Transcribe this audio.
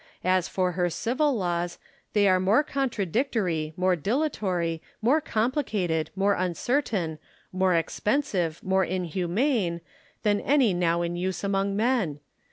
As for her civil laws, they are more contradictory, more dilatory, more complicated, more uncertain, more expensive, more in humane, than any now in use among men.